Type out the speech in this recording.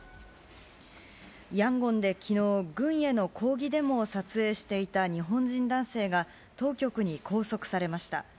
ヤンゴンできのう、軍への抗議デモを撮影していた日本人男性が当局に拘束されました。